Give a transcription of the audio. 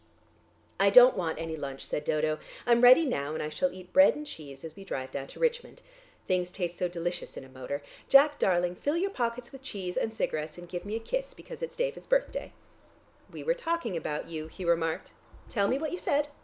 "I don't want any lunch," said Dodo. "I'm ready now, and I shall eat bread and cheese as we drive down to Richmond. Things taste so delicious in a motor. Jack, darling, fill your pockets with cheese and cigarettes, and give me a kiss, because it's David's birthday." "We were talking about you," he remarked. "Tell me what you said.